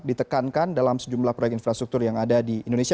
ditekankan dalam sejumlah proyek infrastruktur yang ada di indonesia